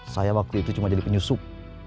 saya waktu itu cuma jadi penyusup